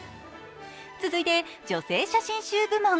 続いて女性写真集部門。